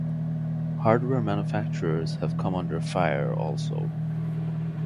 Hardware manufacturers have come under fire, also.